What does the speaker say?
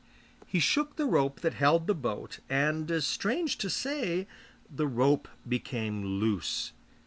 He shook the rope that held the boat, and, strange to say, the rope became loose.